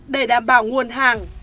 để đảm bảo nguồn hàng